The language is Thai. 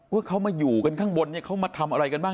ว่าเขามาอยู่กันข้างบนเนี่ยเขามาทำอะไรกันบ้าง